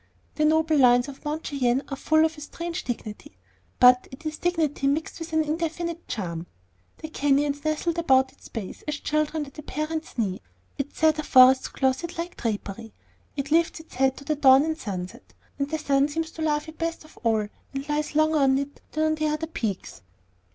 The noble lines of Mount Cheyenne are full of a strange dignity; but it is dignity mixed with an indefinable charm. The canyons nestle about its base, as children at a parent's knee; its cedar forests clothe it like drapery; it lifts its head to the dawn and the sunset; and the sun seems to love it best of all, and lies longer on it than on the other peaks.